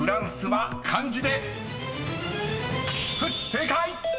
［正解！